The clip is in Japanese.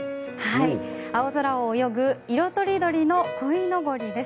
青空を泳ぐ色とりどりのこいのぼりです。